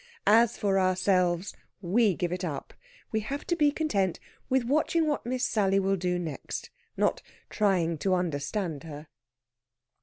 As for ourselves, we give it up. We have to be content with watching what Miss Sally will do next, not trying to understand her.